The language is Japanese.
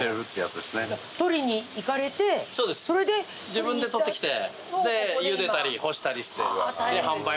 自分で捕ってきてゆでたり干したりして販売まで。